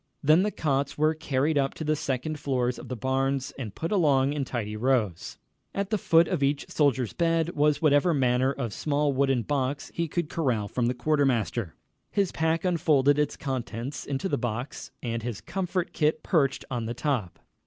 Then the cots were carried up to the second floors of the barns and put along in tidy rows. At the foot of each soldier's bed was whatever manner of small wooden box he could corral from the quartermaster, and there he kept all he owned. His pack unfolded its contents into the box, and his comfort kit perched on the top.